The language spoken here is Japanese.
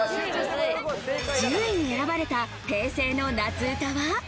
１０位に選ばれた平成の夏歌は。